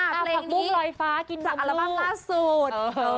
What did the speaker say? ผักบุ้งลอยฟ้ากินดมลูก